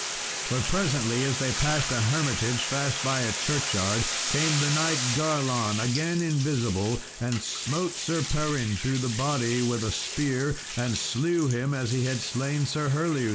But presently as they passed a hermitage fast by a churchyard, came the knight Garlon, again invisible, and smote Sir Perin through the body with a spear, and slew him as he had slain Sir Herleus.